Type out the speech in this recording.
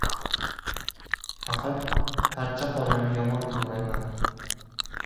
Faqat Parcha xolani yomon ko‘raman.